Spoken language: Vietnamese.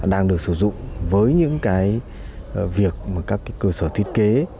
đang được sử dụng với những cái việc mà các cái cơ sở thiết kế